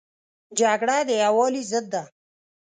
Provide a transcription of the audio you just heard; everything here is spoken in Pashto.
جګړه د یووالي ضد ده